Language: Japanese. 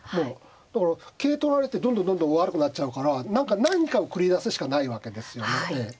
だから桂取られてどんどんどんどん悪くなっちゃうから何かを繰り出すしかないわけですよね。